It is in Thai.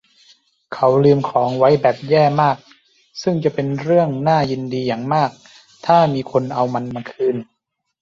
เขาลืมของไว้แบบแย่มากซึ่งจะเป็นเรื่องน่ายินดีอย่างมากถ้ามีคนเอามันมาคืน